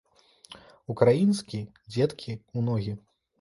Украінскі дзеткі ў ногі!